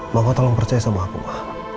mama tolong percaya sama aku ma